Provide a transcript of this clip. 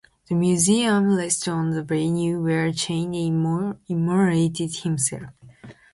The museum rests on the venue where Cheng immolated himself.